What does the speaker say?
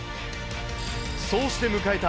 そうして迎えた